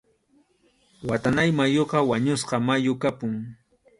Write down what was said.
Watanáy mayuqa wañusqa mayu kapun.